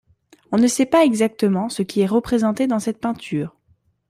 On ne sait pas exactement ce qui est représenté dans cette peinture.